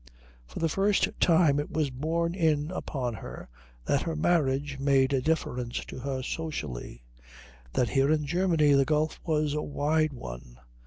For the first time it was borne in upon her that her marriage made a difference to her socially, that here in Germany the gulf was a wide one.